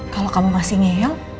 kalau kamu masih ngeyel